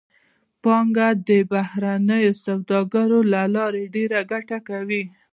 پانګوال د بهرنۍ سوداګرۍ له لارې ډېره ګټه کوي